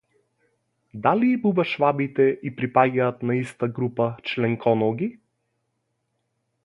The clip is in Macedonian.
Дали бубашвабите и припаѓаат на иста група членконоги?